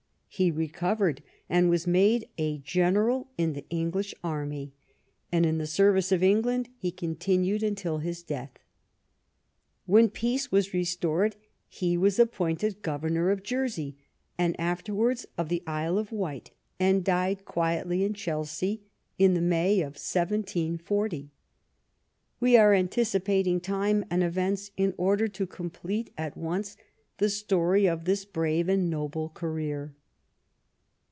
He recovered, and was made a general in the English army, and in the service of England he continued until his death. When peace was restored he was appointed governor of Jersey and afterwards of the Isle of Wight, and died quietly in Chelsea, in the May of 1740. We are anticipating time and events in order to complete at once the story of this brave and noble career.